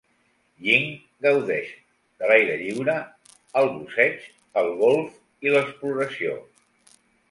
Ying gaudeix de l'aire lliure, el busseig, el golf i l'exploració.